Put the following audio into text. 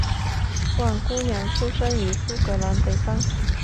万姑娘出生于苏格兰北方。